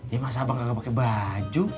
ya masa abang gak pake baju